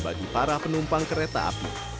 bagi para penumpang kereta api